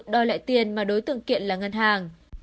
đòi lại tiền mà đối tượng kiện là ngân hàng